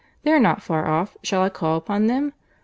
They are not far off. Shall I call upon them?